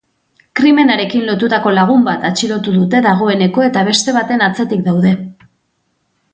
Krimenarekin lotutako lagun bat atxilotu dute dagoeneko eta beste baten atzetik daude.